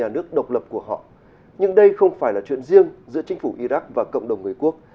nhưng đây không phải là chuyện riêng giữa chính phủ iraq và cộng đồng người quốc